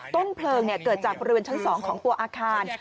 ต้นเพลิงเกิดจากบริเวณชั้น๒ของตัวอาคาร